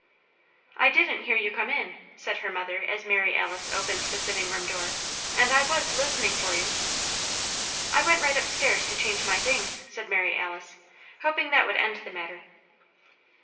"I didn't hear you come in," said her mother as Mary Alice opened the sitting room door, "and I was listening for you." "I went right up stairs to change my things," said Mary Alice, hoping that would end the matter.